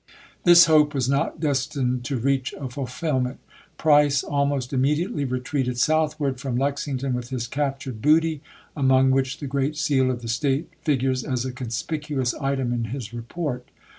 " islif V.^k. This hope was not destined to reach a fulfillment. p.iss. " Price almost immediately retreated southward from Lexington with his captured booty, among which the great seal of the State figures as a conspicuous item in his report.